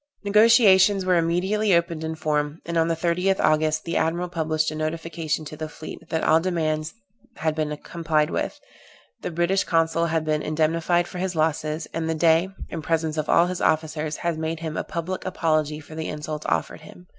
Negociations were immediately opened in form; and on the 30th August the admiral published a notification to the fleet, that all demands had been complied with, the British consul had been indemnified for his losses, and the Dey, in presence of all his officers, had made him a public apology for the insults offered him.